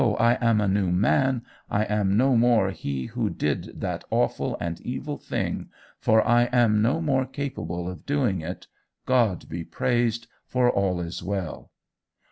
I am a new man; I am no more he who did that awful and evil thing, for I am no more capable of doing it! God be praised, for all is well!